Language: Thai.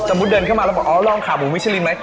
เดินเข้ามาแล้วบอกอ๋อลองขาหมูมิชลินไหม